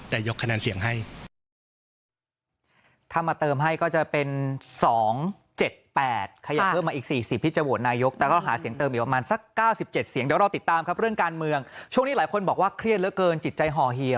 แต่ยกคะแนนเสียงให้